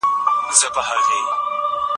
درمل په هر ځای کې پیدا نه کېږي.